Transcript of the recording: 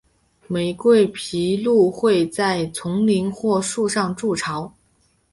玫瑰琵鹭会在丛林或树上筑巢。